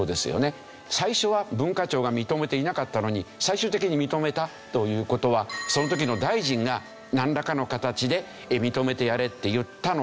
最初は文化庁が認めていなかったのに最終的に認めたという事はその時の大臣がなんらかの形で認めてやれって言ったのかもしれない。